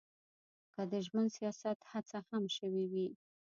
که د ژمن سیاست هڅه هم شوې وي.